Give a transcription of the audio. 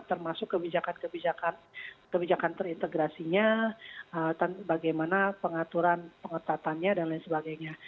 termasuk kebijakan kebijakan terintegrasinya bagaimana pengaturan pengetatannya dan lain sebagainya